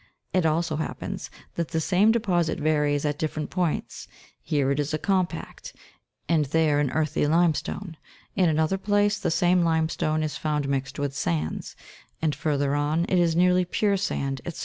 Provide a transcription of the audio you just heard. It also happens that the same deposit varies at different points : here it is a compact, and there, an earthy limestone ; in another place the same limestone is found mixed with sands, and, further on, it is nearly pure sand, &c.